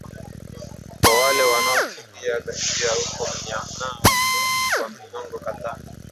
kwa wale wanaokimbia ghasia huko Myanmar kwa miongo kadhaa